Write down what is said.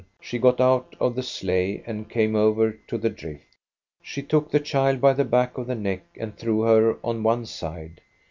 She got out of the sleigh and came over to the drift. She took the child by the back of the neck and threw her on one side.